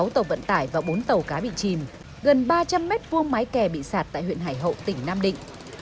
sáu tàu vận tải và bốn tàu cá bị chìm gần ba trăm linh m hai mái kè bị sạt tại huyện hải hậu tỉnh nam định